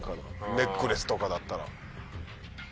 ネックレスとかだったら。